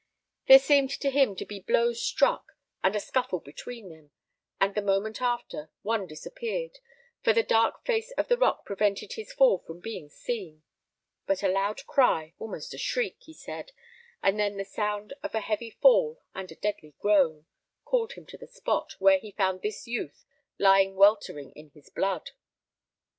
There seemed to him to be blows struck and a scuffle between them, and the moment after, one disappeared, for the dark face of the rock prevented his fall from being seen; but a loud cry, almost a shriek, he said, and then the sound of a heavy fall and a deadly groan, called him to the spot, where he found this youth lying weltering in his blood."